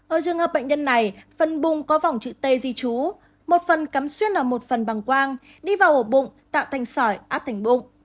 ở trường hợp bệnh nhân này phần bung có vòng chữ t di trú một phần cắm xuyên ở một phần bằng quang đi vào ổ bụng tạo thành sỏi áp thành bụng